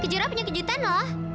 kejurah punya kejutan loh